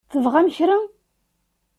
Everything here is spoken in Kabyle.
Tebɣam kra?